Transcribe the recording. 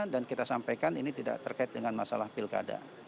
dan kita sampaikan ini tidak terkait dengan masalah pilkada